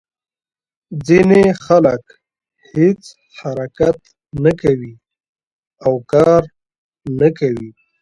ځینې خلک هېڅ حرکت نه کوي او کار نه کوي.